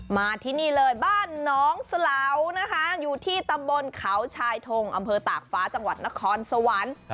มาที่นี่เลยบ้านน้องสลานะคะอยู่ที่ตำบลเขาชายทงอำเภอตากฟ้าจังหวัดนครสวรรค์